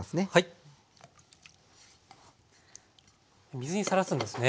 水にさらすんですね。